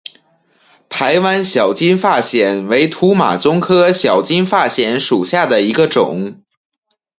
台湾小金发藓为土马鬃科小金发藓属下的一个种。